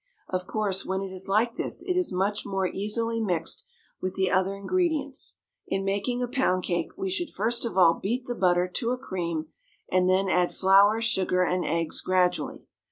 Of course, when it is like this it is much more easily mixed with the other ingredients. In making a pound cake we should first of all beat the butter to a cream and then add flour, sugar, and eggs gradually.